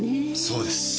そうです。